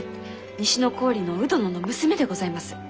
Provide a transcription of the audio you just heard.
西郡の鵜殿の娘でございます。